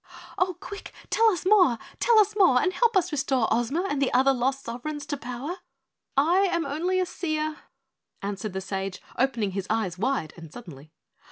"Oh, quick, tell us more tell us more, and help us to restore Ozma and the other lost sovereigns to power!" "I am only a seer," answered the sage, opening his eyes wide and suddenly.